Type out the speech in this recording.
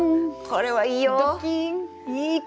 これはいいよ！